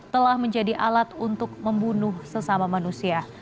telah menjadi alat untuk membunuh sesama manusia